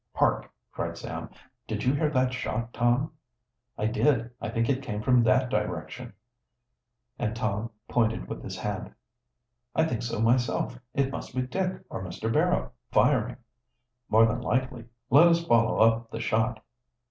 "Hark!" cried Sam. "Did you hear that shot, Tom?" "I did. I think it came from that direction." And Tom pointed with his hand. "I think so myself. It must be Dick or Mr. Barrow, firing." "More than likely. Let us follow up the shot."